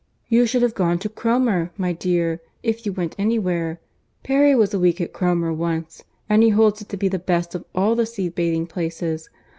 "You should have gone to Cromer, my dear, if you went anywhere.—Perry was a week at Cromer once, and he holds it to be the best of all the sea bathing places.